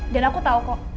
dan aku tau kok